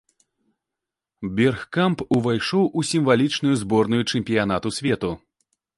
Бергкамп увайшоў у сімвалічную зборную чэмпіянату свету.